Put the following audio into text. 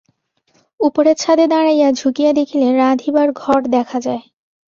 উপরের ছাদে দাঁড়াইয়া ঝুঁকিয়া দেখিলে রাঁধিবার ঘর দেখা যায়।